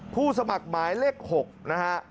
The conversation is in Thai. ผู้สมัครหมายเลข๖นะฮะ